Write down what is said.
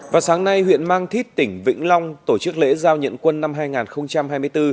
và sáng nay huyện mang thít tỉnh vĩnh long tổ chức lễ giao nhận quân năm hai nghìn hai mươi bốn